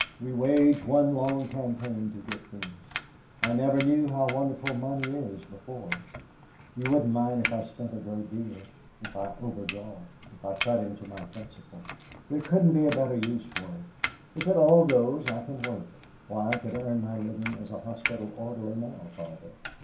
We wage one long campaign to get things. I never knew how wonderful money is before. You mustn't mind if I spend a great deal if I overdraw if I cut into my principal. There couldn't be a better use for it. If it all goes I can work. Why, I could earn my living as a hospital orderly now, Father.